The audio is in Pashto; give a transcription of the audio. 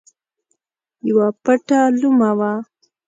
یوه پټه لومه وه.